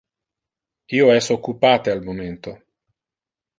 Io es occupate al momento.